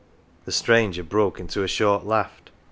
The stranger broke into a short laugh.